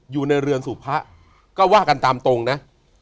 อยู่ในเรือนสู่พระก็ว่ากันตามตรงนะ